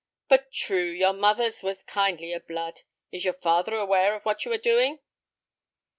But true, your mother's was kindlier blood. Is your father aware of what you are doing?"